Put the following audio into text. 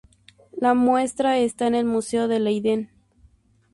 La muestra está en el museo de Leiden.